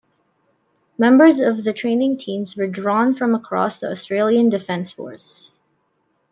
Members of the training teams were drawn from across the Australian Defence Force.